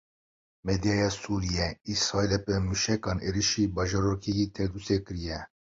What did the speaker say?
Medyaya Sûriyeyê, Israîlê bi mûşekan êrişî bajarokekî Tertûsê kiriye.